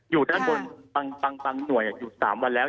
อยู่ด้านบนบางหน่วยอยู่๓วันแล้ว